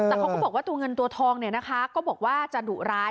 แต่เขาก็บอกว่าตัวเงินตัวทองเนี่ยนะคะก็บอกว่าจะดุร้าย